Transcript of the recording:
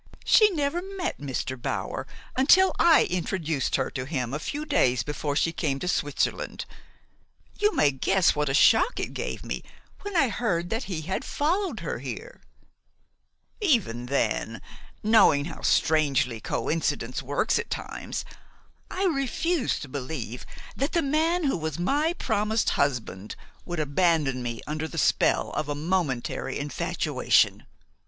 "She never met Mr. Bower until I introduced her to him a few days before she came to Switzerland. You may guess what a shock it gave me when I heard that he had followed her here. Even then, knowing how strangely coincidence works at times, I refused to believe that the man who was my promised husband would abandon me under the spell of a momentary infatuation.